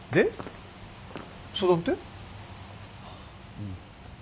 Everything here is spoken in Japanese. うん。